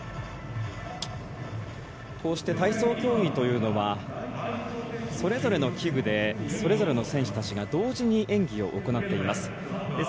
こうして体操競技というのはそれぞれの器具でそれぞれの選手たちが同時に演技を行っています。